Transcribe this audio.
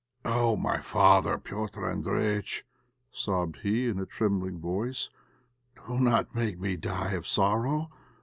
"Oh! my father, Petr' Andréjïtch," sobbed he, in a trembling voice; "do not make me die of sorrow.